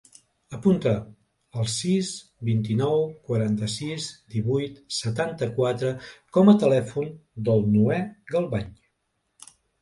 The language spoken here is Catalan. Apunta el sis, vint-i-nou, quaranta-sis, divuit, setanta-quatre com a telèfon del Noè Galvañ.